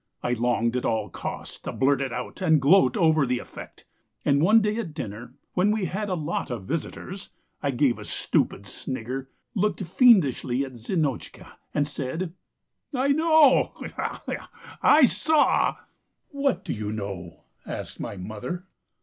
I longed at all costs to blurt it out and gloat over the effect. And one day at dinner, when we had a lot of visitors, I gave a stupid snigger, looked fiendishly at Zinotchka and said: "'I know. Gy y! I saw! ...' "'What do you know?' asked my mother.